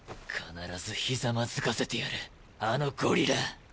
必ず跪かせてやるあのゴリラ。